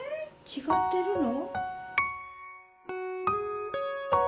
違ってるの？